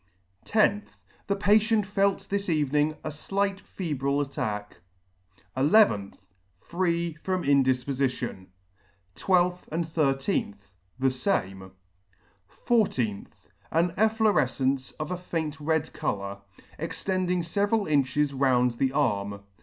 10th. The patient felt this evening a flight febrile attack. 11th. Free from indifpofition. 12th. — 13th. The fame. 14th. An efflorefcence of a faint red colour, extending feveral inches round the arm.